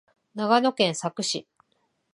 長野県佐久市